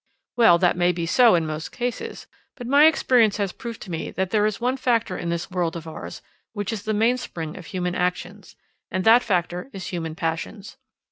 "Well, that may be so in most cases, but my experience has proved to me that there is one factor in this world of ours which is the mainspring of human actions, and that factor is human passions.